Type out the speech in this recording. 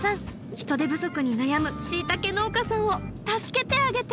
人手不足に悩むしいたけ農家さんを助けてあげて！